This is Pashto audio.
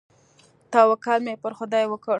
توکل مې پر خداى وکړ.